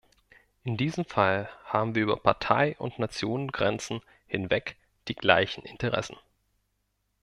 In diesem Fall haben wir über Partei- und Nationengrenzen hinweg die gleichen Interessen.